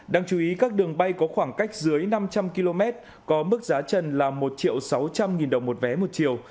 đáng chú ý các đường bay có khoảng cách dưới năm trăm linh km có mức giá trần là một sáu trăm linh nghìn đồng một vé một chiều